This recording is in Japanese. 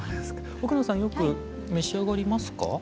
奥野さんよく召し上がりますか？